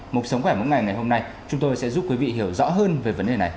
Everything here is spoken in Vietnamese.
mục sống khỏe mỗi ngày ngày hôm nay chúng tôi sẽ giúp quý vị hiểu rõ hơn về vấn đề này